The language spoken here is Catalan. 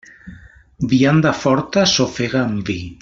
Vianda forta, s'ofega amb vi.